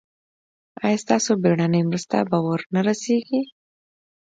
ایا ستاسو بیړنۍ مرسته به ور نه رسیږي؟